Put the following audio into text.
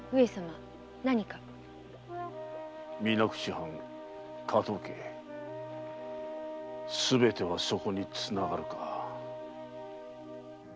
藩加藤家すべてはそこにつながるか。